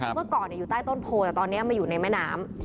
เมื่อก่อนอยู่ใต้ต้นโพแต่ตอนนี้มาอยู่ในแม่น้ำ